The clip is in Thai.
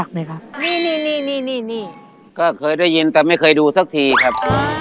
ก็เคยได้ยินแต่ไม่เคยดูซักทีครับ